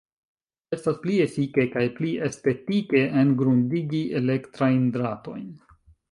Estas pli efike kaj pli estetike engrundigi elektrajn dratojn.